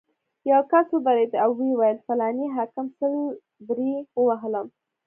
یو کس ودرېد او ویې ویل: فلاني حاکم سل درې ووهلم.